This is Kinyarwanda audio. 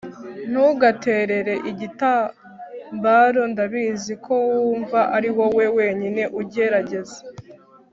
ntugaterere igitambaro, ndabizi ko wumva ariwowe wenyine ugerageza